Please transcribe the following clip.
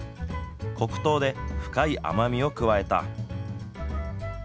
黒糖で深い甘みを加えた。